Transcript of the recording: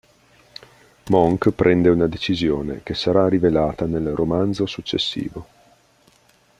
Monk prende una decisione, che sarà rivelata nel romanzo successivo.